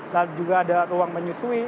saat juga ada ruang menyusui